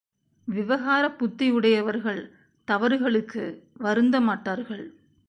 விவகாரப் புத்தியுடையவர்கள் தவறுகளுக்கு வருந்தமாட்டார்கள்.